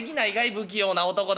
不器用な男だ」。